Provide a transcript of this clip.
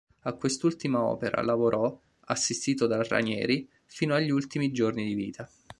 A quest'ultima opera lavorò, assistito dal Ranieri, fino agli ultimi giorni di vita.